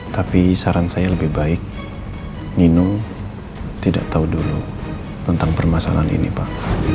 tapi saran saya lebih baik nino tidak tahu dulu tentang permasalahan ini pak